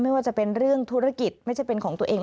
ไม่ว่าจะเป็นเรื่องธุรกิจไม่ใช่เป็นของตัวเอง